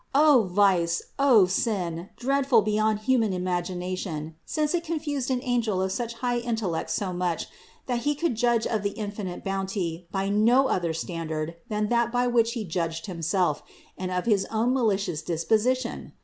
O vice, O sin, dreadful beyond human imagination ! since it confused an angel of such high intellect so much, that he could judge of the in finite bounty by no other standard than that by which he judged himself and of his own malicious disposi tion!